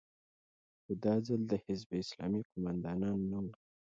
خو دا ځل د حزب اسلامي قومندانان نه وو.